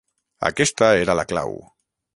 Aquesta era la clau.